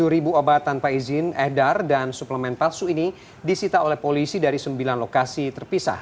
tujuh ribu obat tanpa izin edar dan suplemen palsu ini disita oleh polisi dari sembilan lokasi terpisah